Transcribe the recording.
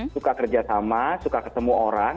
suka kerja sama suka ketemu orang